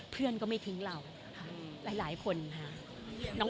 เพื่อนก็ไม่ทิ้งเราหลายคนค่ะ